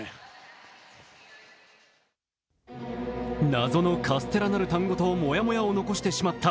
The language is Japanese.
謎のカステラなる単語とモヤモヤを残してしまった